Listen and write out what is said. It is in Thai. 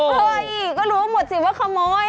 เฮ้ยก็รู้หมดสิว่าขโมย